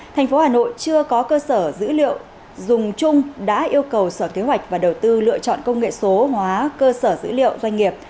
thành phố hà nội chưa có cơ sở dữ liệu dùng chung đã yêu cầu sở kế hoạch và đầu tư lựa chọn công nghệ số hóa cơ sở dữ liệu doanh nghiệp